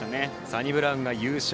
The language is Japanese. サニブラウンが優勝。